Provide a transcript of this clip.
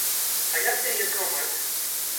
А як яе зламаць?